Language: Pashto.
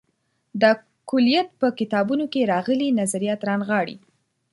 دا کُلیت په کتابونو کې راغلي نظریات رانغاړي.